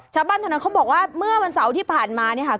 ชาวบ้านเท่านั้นเขาบอกว่าเมื่อวันเสาร์ที่ผ่านมาเนี่ยค่ะ